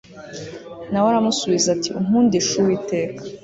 na we aramusubiza ati “ukundishe uwiteka